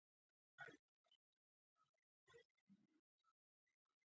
مېوې د افغانستان د چاپیریال ساتنې لپاره ډېر مهم او اړین دي.